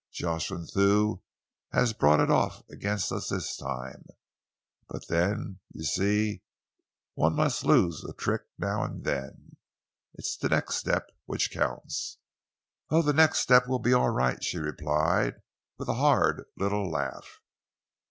Jocelyn Thew has brought it off against us this time, but then, you see, one must lose a trick now and then. It is the next step which counts." "Oh, the next step will be all right!" she replied, with a hard little laugh.